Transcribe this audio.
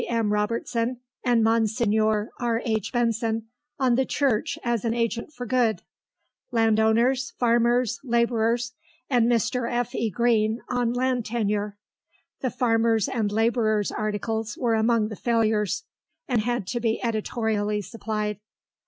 M. Robertson and Monsignor R. H. Benson on the Church as an Agent for Good; land owners, farmers, labourers, and Mr. F. E. Greene, on Land Tenure. (The farmers' and labourers' articles were among the failures, and had to be editorially supplied.)